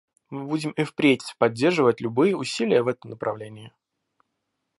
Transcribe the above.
Мы будем и впредь поддерживать любые усилия в этом направлении.